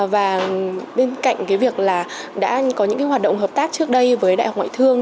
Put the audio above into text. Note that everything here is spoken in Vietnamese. và bên cạnh việc đã có những hoạt động hợp tác trước đây với đại học ngoại thương